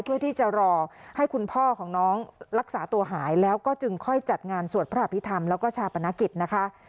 เพื่อที่จะรอให้คุณพ่อของน้องรักษาตัวหายแล้วก็จึงค่อยจัดงานสวดพระอภิษฐรรมแล้วก็ชาปนกิจนะคะ